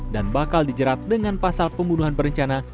dan bakal dijerat dengan pasal pembunuhan berencana